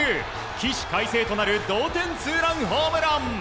起死回生となる同点ツーランホームラン。